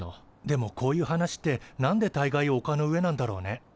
でもこういう話ってなんでたいがいおかの上なんだろうね。